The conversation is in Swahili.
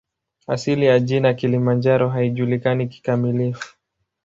Asili ya jina "Kilimanjaro" haijulikani kikamilifu.